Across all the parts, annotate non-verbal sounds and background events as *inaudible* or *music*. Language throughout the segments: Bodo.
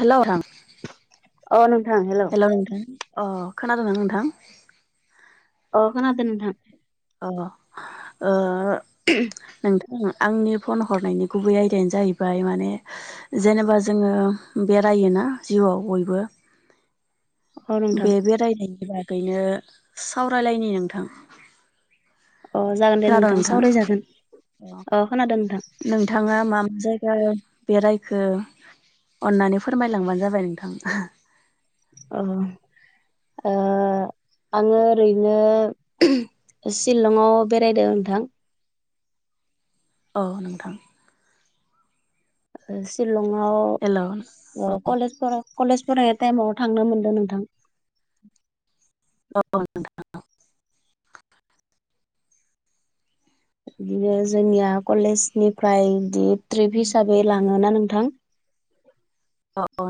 हेलौ नोंथां। अ नोंथां हेल'। हेलौ नोंथां अ खोनादों आं नोंथां? अ खोनादों नोंथां। अ ओ। *inaudible* आंनि फन हरनायनि गुबै आयदायानो जाहै ओमफ्राय माने जेनेबा जोङो बेरायोना जिउआव बयबो अ नोंथां बे बेरायनायनि बागैनो सावरायलायनि नोंथां। अ जागोन दे नोंथां सावरायजागोन अ खोनादों नोंथां। नोंथाङा मा मा जायगा बेरायखो अननानै फोरमायलांबानो जाबाय नोंथां। अ ओ आङो ओरैनो सिलंआव बेरायदों नोंथां। औ नोंथां। शिलंआव हेल' औ ओ कलेज कलेज फरायनाय टाइमाव थांनो मोनदों नोंथां। औ नोंथां। बिदिनो जोंनिया कलेजनिफ्राय बिदि ट्रिप हिसाबै लाङोना नोंथां। अ अ।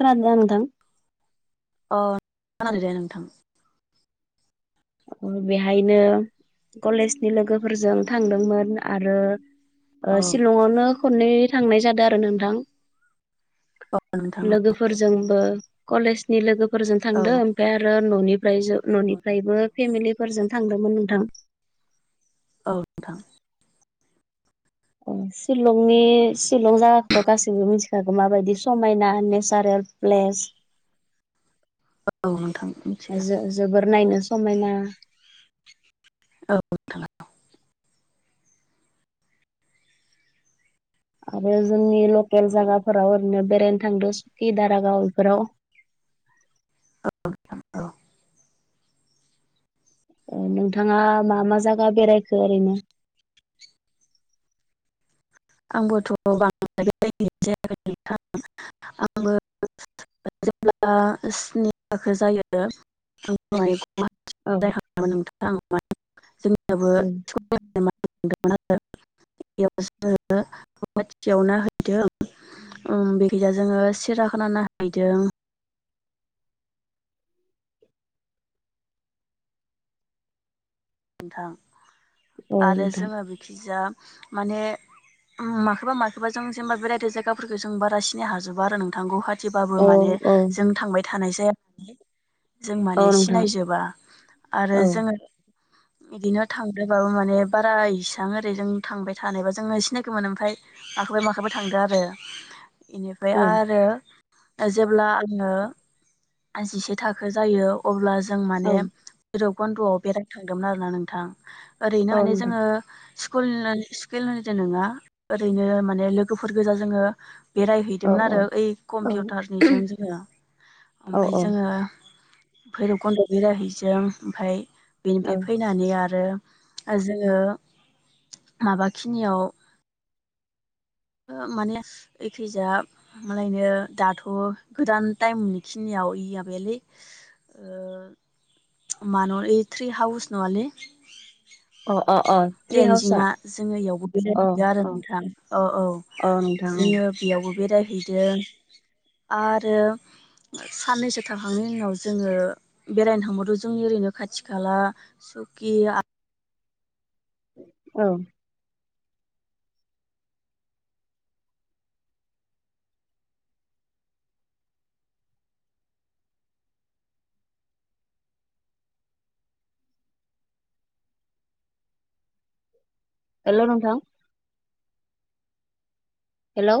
खोनादों ना नोंथां? अ खोनादों दे नोंथां। बेहायनो कलेजनि लोगोफोरजों थांदोंमोन आरो ओ औ शिलङाव खननै थांनाय जादो आरो नोंथां। औ नोंथां लोगोफोरजोंबो कलेजनि लोगोफोरजों औ थांदों। ओमफ्राय आरो न'निफ्रायजो औ न'निफ्रायबो फेमिलिफोरजों थांदोंमोन नोंथां। औ नोंथां। सिलंनि सिलं जायगाखौथ' गासिबो मिथिखागौ माबायदि समायना नेसारेल। प्लेस। औ नोंथां मिथियो। जोबोर नायनो समायना। औ। नोंथाङा आरो जोंनि लकेल जायगाफोराव ओरैनो बेरायनो थांदों सुखि दारागाव बेफोराव औ औ नोंथाङा मा मा जायगा बेरायखो ओरैनो आंबोथ' बांद्राय *unintelligible* आंबो। जेब्ला स्नि थाखो जायो। *inaudible* औ *inaudible* उम बेखिजा जोङो सिराखाना नाहैदों नोंथां आरो जोङो बेखिजा माने माबा माखौबा जों जेनेबा बेरायदो जायगाफोरफोरखौ जों बारा सिनायनो हाजोबा आरो नोंथां गखा एसेबाबो माने औ जों थांबाय थानाय जाया जों औ माने नोंथां सिनायजोबा आरो औ जोङो बिदिनो थांदोबाबो माने बारा इसेबां ओरै जों थांबाय थानायबा जोङो सिनायगोमोनो ओमफ्राय माखैबा माखैबाय थांदों आरो इनिफ्राय औ आरो। जेब्ला आङो जिसे थाखो जायो अब्ला जों माने औ भैरबकन्धआव बेरायनो थांदोंमोन आरोना नोंथां ओरैनो माने नोंथां जोंङो। स्कुल स्कुल निजों नङा ओरैनो माने लोगोफोर गोजा जोंङो। औ बेरायहैदोंमोन औ आरो ओइ औ नोंथां औ कम्पिउटारनिजों औ जोङो औ ओमफ्राय औ जोङो भैरबकन्द' बिराहै जों ओमफ्राय औ बेनिफ्राय फै फैनानै आरो जोङो माबाखिनियाव माने एखैजा। मालायनो दाथ' गोदान टाइमनि खिनियाव इ माबायालै ओ मान' ओइ थ्रि हाउस न'आलै अ अ अ ट्रि हाउसआ टेनजिंआ जोंङो इयावबो अ बेरायहैदों आरो अ नोंथां औ औ। अ नोंथां जोङो बेयावबो बेरायहैदों आरो साननैसो थाखांनायनि उनाव जोंङो बेरायनो थांबावदों जोंनि ओरैनो खाथि खाला। सुखिया औ। हेल' नोंथां हेलौ।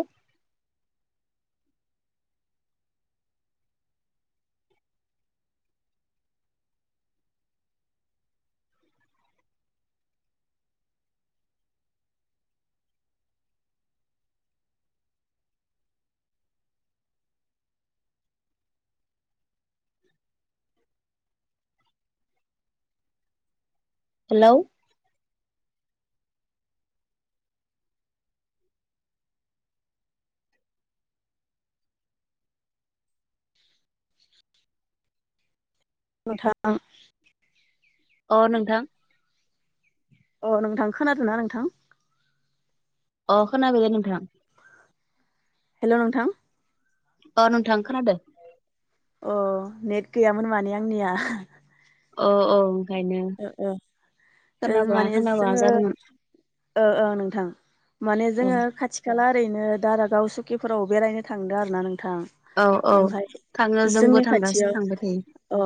हेलौ। *inaudible* नोंथां अ नोंथां। अ नोंथां खोनादों ना नोंथां अ खोनादों नोंथां हेल' नोंथां अ नोंथां खोनादो अ नेट गैयामोन माने आंनिया। अ अ ओ माने खोनाब्ला जोङो जादोंमोन ओ औ नोंथां माने औ जोंङो खाथि खाथि खाला ओरैनो दारागाव सुकिफोराव बेरायनो थांदों आरोना नोंथां औ औ ओमफ्राय थाङो जोंबो जोंनि थांगासिनो खाथियाव थांबाय थायो औ।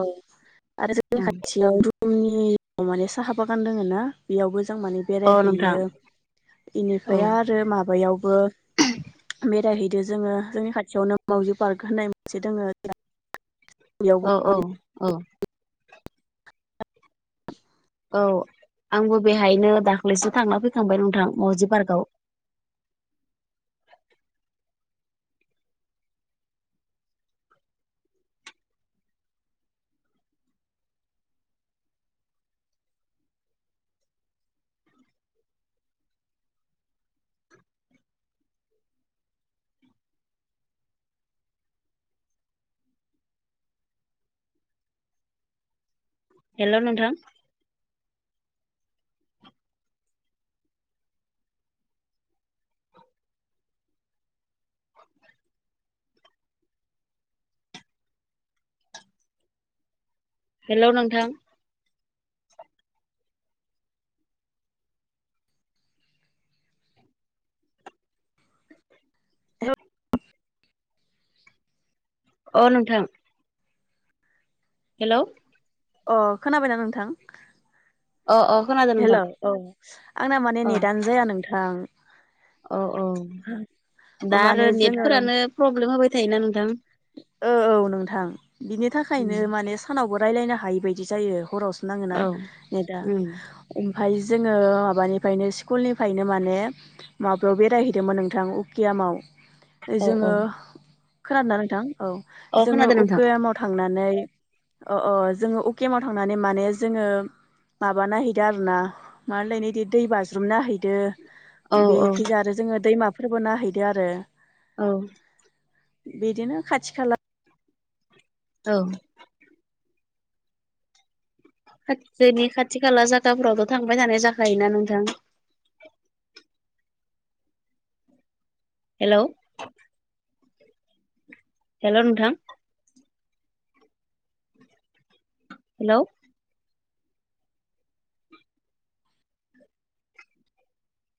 आरो जोंनि औ खाथियाव धुमनि माने साहा बागान दोङो ना बेयावबो जों माने। औ नोंथां बेरायहैयो औ बेनिफ्राय आरो माबायावबो। बेरायहैदो जोंङो जोंनि खाथियावनो मावजि पार्क होननाय मोनसे दोंङो। *inaudible* औ औ औ। औ आंबो बेहायनो दाख्लैसो थांना फैखांबाय नोंथां माउजि पार्कआव। हेल' नोंथां। *inaudible* हेलौ नोंथां। अ नोंथां। हेलौ अ खोनाबायना नोंथां? अ अ खोनादो हेलौ औ आंना माने नेटआनो जाया नोंथां। औ औ। दा माने आरो जोङो नेटफोरानो प्रब्लेम होबाय थायोना नोंथां। औ औ नोंथां बिनि थाखायनो माने सानावबो रायलायनो हायि बायदि जायो हरावसो नाङोना औ नेटा। उम ओमफ्राय जोङो माबानिफायनो स्कुलनिफायनो माने माबायाव बेरायहैदोंमोन नोंथां उकियामाव जोङो खोनादोंना नोंथां? औ अ जोङो खोनादों नोंथां उकियामाव थांनानै औ औ जोङो उकियामाव थांनानै माने जोङो माबा नायहै आरोना दै बाज्रुम नाहैदो औ बेखैजा आरो जोङो दै फोरबो नाहैदो आरो। औ बिदिनो खाथि खाला औ खाथथिनि खाथि खाला जागाफोरावथ थांबाय थानाय जाखायोना नोंथां। हेलौ हेलौ नोंथां। हेलौ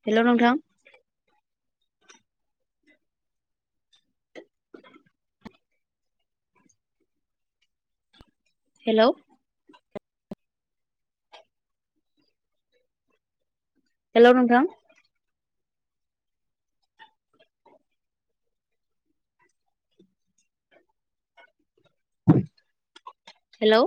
हेलौ नोंथां। हेलौ हेलौ नों हेलौ